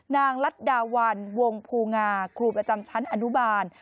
ลัดดาวันวงภูงาครูประจำชั้นอนุบาล